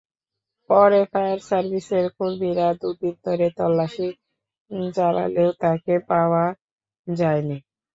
পরে ফায়ার সার্ভিসের কর্মীরা দুদিন ধরে তল্লাশি চালালেও তাঁকে পাওয়া যায়নি।